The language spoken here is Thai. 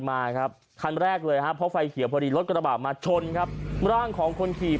มาครับคันแรกเลยครับเพราะไฟเขียวพอดีรถกระบาดมาชนครับร่างของคนขี่